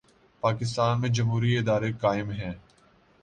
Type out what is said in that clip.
پاکستان میں جمہوری ادارے قائم ہیں۔